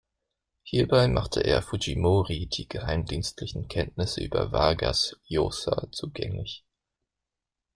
Hierbei machte er Fujimori die geheimdienstlichen Kenntnisse über Vargas Llosa zugänglich.